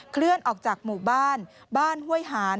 เคลื่อนออกจากหมู่บ้านบ้านห้วยหาน